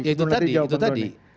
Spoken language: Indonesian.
ya itu tadi itu tadi